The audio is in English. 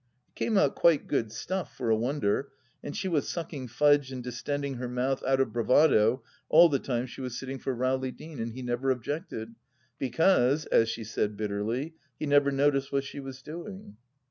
It came out quite good stuff, for a wonder, and she was sucking Fudge and distending her mouth out of bravado all the time she was sitting for Rowley Deane, and he never objected, because, as she said bitterly, he never noticed what she was doing.